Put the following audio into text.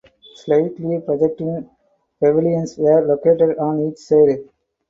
Slightly projecting pavilions were locate on each side.